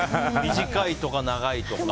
短いとか、長いとか。